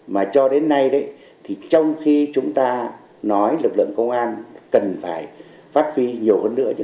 mà cho đến nay đấy thì trong khi chúng ta nói lực lượng công an cần phải phát huy nhiều hơn nữa những